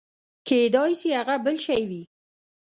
کېداى سي هغه بل شى وي.